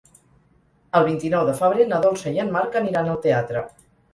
El vint-i-nou de febrer na Dolça i en Marc aniran al teatre.